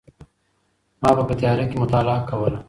ما به په تیاره کي مطالعه کوله.